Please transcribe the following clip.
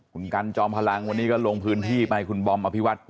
คุณกันจอมพลังวันนี้ก็ลงพื้นที่ไปคุณบอมอภิวัต